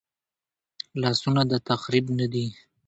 لاسونه د تخریب نه دي